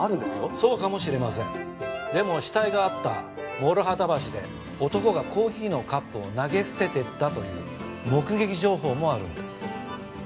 そうかもしれませんでも死体があった諸畑橋で男がコーヒーのカップを投げ捨ててったという目撃情報もあるんです。